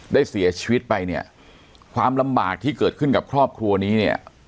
ได้เสียชีวิตไปเนี่ยความลำบากที่เกิดขึ้นกับครอบครัวนี้เนี่ย